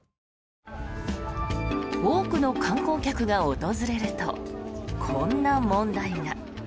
多くの観光客が訪れるとこんな問題が。